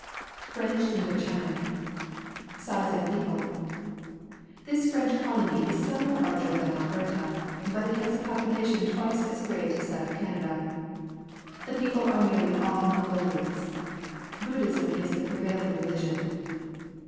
FRENCH INDO CHINA J rtWCt Size and People. — This French colony is somewhat larger than Alberta, but it has a population twice as great as that of Canada. The people are nearly all Mongo lians. Buddhism is the prevailing religion.